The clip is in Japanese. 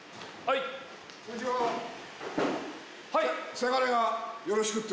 せがれがよろしく！って。